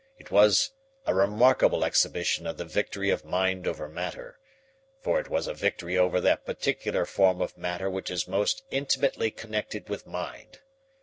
It was a remarkable exhibition of the victory of mind over matter, for it was a victory over that particular form of matter which is most intimately connected with mind.